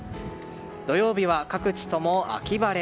土曜日は各地とも秋晴れ。